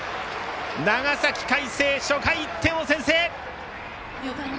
長崎・海星、初回１点を先制！